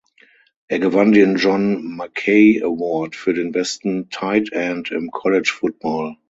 Er gewann den John Mackey Award für den besten Tight End im College Football.